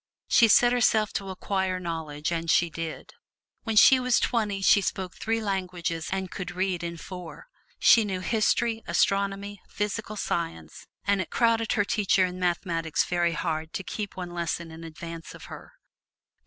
She set herself to acquire knowledge, and she did. When she was twenty she spoke three languages and could read in four. She knew history, astronomy, physical science, and it crowded her teacher in mathematics very hard to keep one lesson in advance of her.